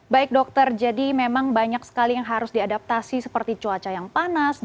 baik dokter jadi memang banyak sekali yang harus diadaptasi seperti cuaca yang panas